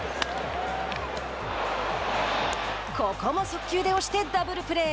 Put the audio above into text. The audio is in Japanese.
ここも速球で押してダブルプレー。